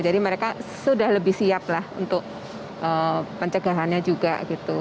jadi mereka sudah lebih siap lah untuk pencegahannya juga gitu